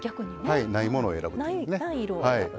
ないものを選ぶというね。